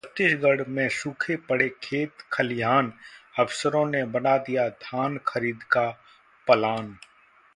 छत्तीसगढ़ में सूखे पड़े खेत-खलिहान, अफसरों ने बना दिया धान खरीद का प्लान